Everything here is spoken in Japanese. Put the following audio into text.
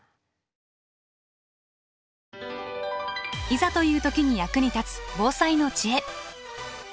いざという時に役に立つ防災の知恵。